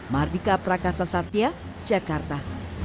mardika prakasa satya jakarta